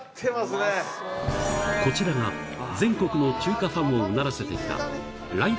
こちらが、全国の中華ファンをうならせてきた来々